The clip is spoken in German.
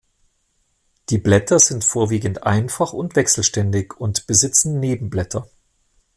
Die Blätter sind vorwiegend einfach und wechselständig und besitzen Nebenblätter.